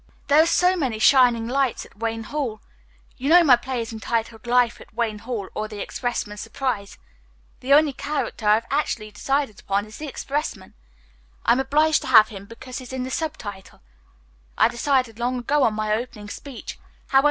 There are so many shining lights at Wayne Hall. You know my play is entitled "Life at Wayne Hall; Or, the Expressman's Surprise." The only character I've actually decided upon is the expressman. I am obliged to have him because he is in the sub title. I decided long ago on my opening speech, however.